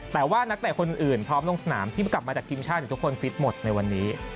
แต่ว่านักเตะคนอื่นพร้อมลงสนามที่กลับมาจากทีมชาติหรือทุกคนฟิตหมดในวันนี้